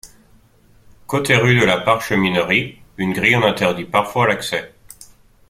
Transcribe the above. Côté rue de la Parcheminerie, une grille en interdit parfois l'accès.